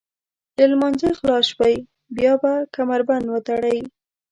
له لمانځه خلاص شوئ بیا به کمربند وتړئ.